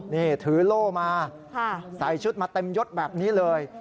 นี่ถือโล่มาใส่ชุดมาเต็มยดแบบนี้เลย